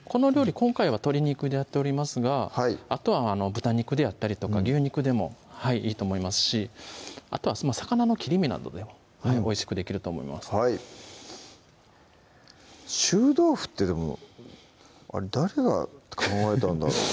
今回は鶏肉でやっておりますがあとは豚肉であったりとか牛肉でもいいと思いますしあとは魚の切り身などでもおいしくできると思います臭豆腐ってでもあれ誰が考えたんだろう？